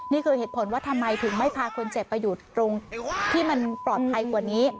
นี่คือเหตุผลว่าทำไมถึงไม่พาคนเจ็บไปอยู่ตรงที่มันปลอดภัยกว่านี้